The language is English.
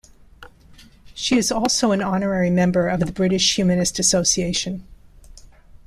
She is also an Honorary Member of the British Humanist Association.